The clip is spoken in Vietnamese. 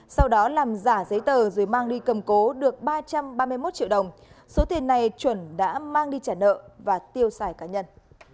sau đó làm giả giấy tờ rồi mang đi cầm cố được ba trăm ba mươi một triệu đồng số tiền này chuẩn đã mang đi trả nợ và tiêu xài cá nhân